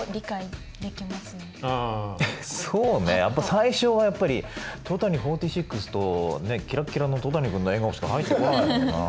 最初はやっぱり「戸谷４６」とキラッキラの戸谷君の笑顔しか入ってこないもんな。